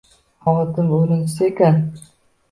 Xavotirim o`rinsiz ekan